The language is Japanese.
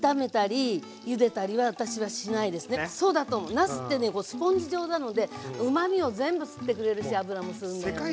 なすってねスポンジ状なのでうまみを全部吸ってくれるし油も吸うんだよね。